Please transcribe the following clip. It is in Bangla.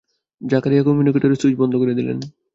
জাকারিয়া কম্যুনিকেটরের সুইচ বন্ধ করে দিলেন।